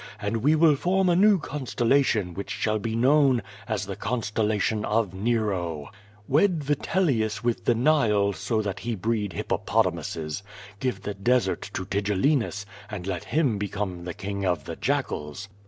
And we will form a new constellation which shall be known as the con stellation of Nero. AVed Vitellius with the Nile so that he breed hippopotamuses. Give the desert to Tigellinus and let him become the king of the jackals."